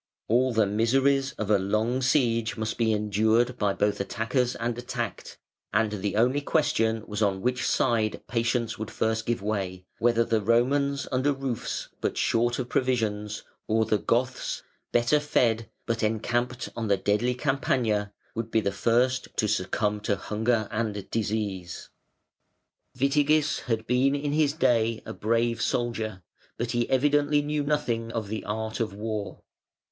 All the miseries of a long siege must be endured both by attackers and attacked, and the only question was on which side patience would first give way whether the Romans under roofs, but short of provisions, or the Goths better fed, but encamped on the deadly Campagna, would be the first to succumb to hunger and disease. Witigis had been in his day a brave soldier, but he evidently knew nothing of the art of war.